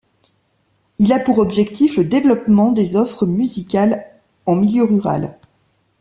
Il a pour objectif le développement des offres musicales en milieu rural.